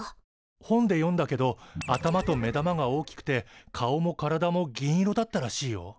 本で読んだけど頭と目玉が大きくて顔も体も銀色だったらしいよ。